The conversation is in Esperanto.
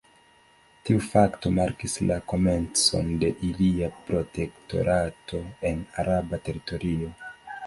Tiu fakto markis la komencon de ilia protektorato en araba teritorio.